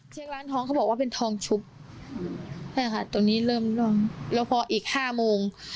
เชียงร้านทองเขาบอกว่าเป็นทองชุบใช่ค่ะตรงนี้เริ่มแล้วพออีก๕โมง